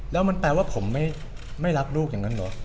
แล้วมันแปลว่าผมไม่รักลูกอย่างนั้นเหรอ